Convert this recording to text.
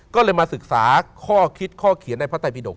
ก็เลยมาศึกษาข้อคิดข้อเขียนในพระไตปิดก